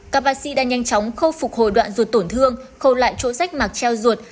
các bác sĩ đã nhanh chóng khôi phục hồi đoạn ruột tổn thương khâu lại chỗ rách mặc treo ruột